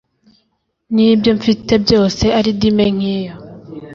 niyo ibyo mfite byose ari dime nkeya.